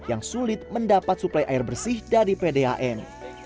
untuk mendapat suplai air bersih dari pdam